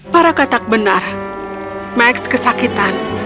para katak benar max kesakitan